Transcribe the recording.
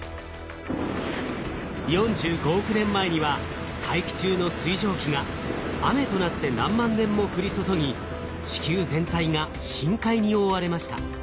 ４５億年前には大気中の水蒸気が雨となって何万年も降り注ぎ地球全体が深海に覆われました。